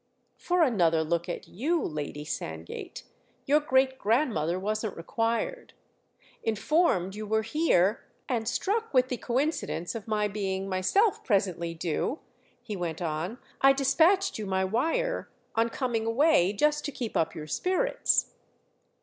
"For another look at you, Lady Sandgate—your great grandmother wasn't required. Informed you were here, and struck with the coincidence of my being myself presently due," he went on, "I despatched you my wire, on coming away, just to keep up your spirits."